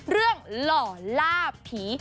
เรื่องหล่อล่าผี